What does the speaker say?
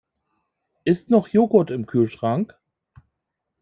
Ist noch Joghurt im Kühlschrank?